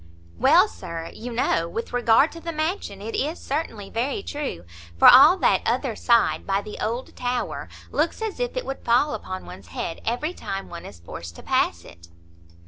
"Well, Sir, you know, with regard to the mansion, it is certainly very true, for all that other side, by the old tower, looks as if it would fall upon one's head every time one is forced to pass it."